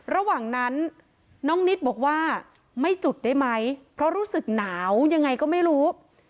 ระหว่างนั้นน้องนิดบอกว่าไม่จุดได้ไหมเพราะรู้สึกหนาวยังไงก็ไม่รู้